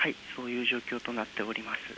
そういう状況となっております。